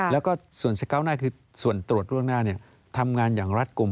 แล้วก็ส่วนสเก้าหน้าคือส่วนตรวจล่วงหน้าทำงานอย่างรัฐกลุ่ม